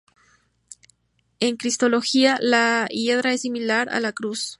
En cristología, la hiedra es asimilada a la cruz.